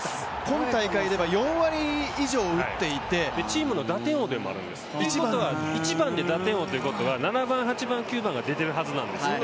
今大会では４割以上打っていてチームの打点王でもあるんです、ということは１番で打点王ということは、７番、８番、９番が出ているということですよ。